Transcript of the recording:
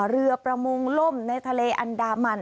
เรือประมงล่มในทะเลอันดามัน